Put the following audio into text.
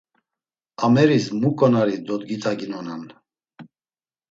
Ameris mu ǩonari dodgitaginonan?